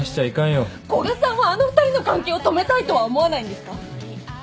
古賀さんはあの２人の関係を止めたいとは思わないんですか？